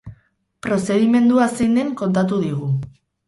Prozedimendua zein den kontatu digu.